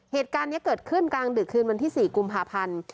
เหตุการณ์นี้เกิดขึ้นกลางดึกคืนวันที่๔กุมภาพันธ์